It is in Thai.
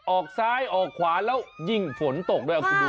ออกซ้ายออกขวาแล้วยิ่งฝนตกด้วยคุณดู